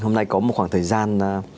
hôm nay có một khoảng thời gian